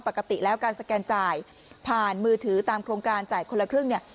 ปกติแล้วการสแกนจ่ายผ่านมือถือตามโครงการจ่ายคนละครึ่งเนี่ย